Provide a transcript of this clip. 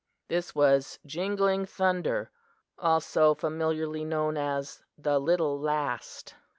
This was Jingling Thunder, also familiarly known as 'The Little Last.